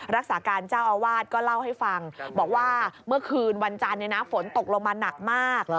รักษาการเจ้าอาวาสก็เล่าให้ฟังบอกว่าเมื่อคืนวันจันทร์ฝนตกลงมาหนักมาก